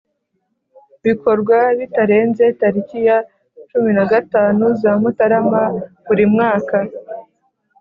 Bikorwa bitarenze tariki ya cumin a gatanu za Mutarama buri mwaka